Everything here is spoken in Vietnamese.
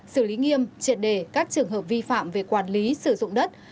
xử lý nghiêm triệt đề các trường hợp vi phạm về quản lý sử dụng đất